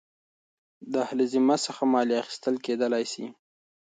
د اهل الذمه څخه مالیه اخیستل کېدلاى سي.